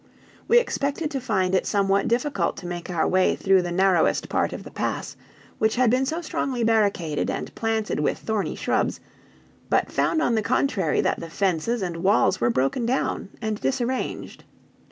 We expected to find it somewhat difficult to make our way through the narrowest part of the pass, which had been so strongly barricaded and planted with thorny shrubs, but found on the contrary that the fences and walls were broken down and disarranged.